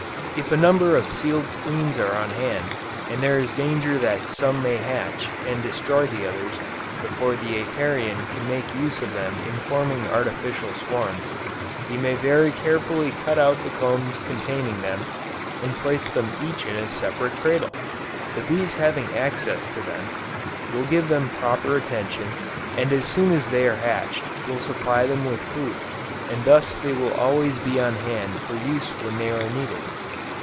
If a number of sealed queens are on hand, and there is danger that some may hatch, and destroy the others, before the Apiarian can make use of them in forming artificial swarms, he may very carefully cut out the combs containing them, and place them each in a separate cradle! The bees having access to them, will give them proper attention, and as soon as they are hatched, will supply them with food, and thus they will always be on hand for use when they are needed.